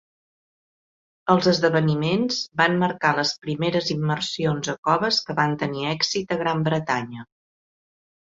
Els esdeveniments van marcar les primeres immersions a coves que van tenir èxit a Gran Bretanya.